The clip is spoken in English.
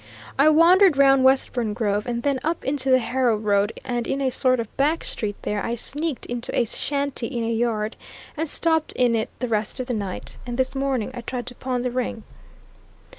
I wandered round Westbourne Grove, and then up into the Harrow Road, and in a sort of back street there I sneaked into a shanty in a yard, and stopped in it the rest of the night. And this morning I tried to pawn the ring."